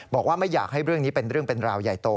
บอกว่าไม่อยากให้เรื่องนี้เป็นเรื่องเป็นราวใหญ่โต